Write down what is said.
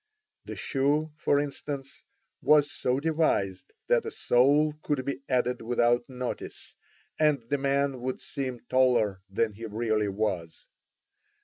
The shoe, for instance, was so devised that a sole could be added without notice, and the man would seem taller than he really was.